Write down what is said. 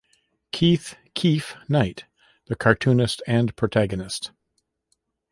"Keith "Keef" Knight" - The cartoonist and protagonist.